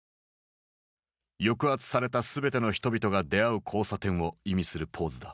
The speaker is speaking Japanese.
「抑圧された全ての人々が出会う交差点」を意味するポーズだ。